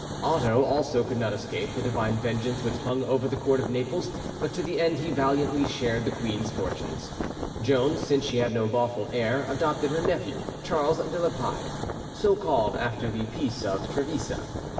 Otho also could not escape the Divine vengeance which hung over the court of Naples, but to the end he valiantly shared the queen's fortunes. Joan, since she had no lawful heir, adopted her nephew, Charles de la Paix (so called after the peace of Trevisa).